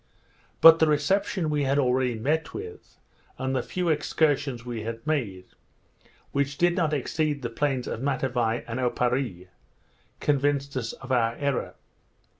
But the reception we had already met with, and the few excursions we had made, which did not exceed the plains of Matavai and Oparree, convinced us of our error.